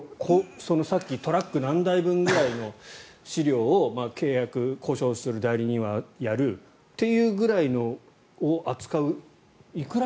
さっきトラック何台分ぐらいの資料を契約交渉する代理人はやるっていうぐらいのを扱う。